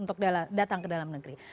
untuk datang ke dalam negeri